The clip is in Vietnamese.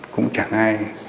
cũng chẳng ai